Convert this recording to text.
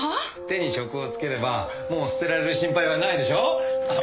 手に職をつければもう捨てられる心配はないでしょ？